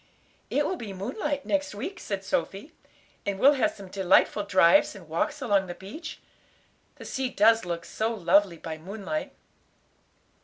"It will be moonlight next week," said Sophy; "and we'll have some delightful drives and walks along the beach. The sea does look so lovely by moonlight."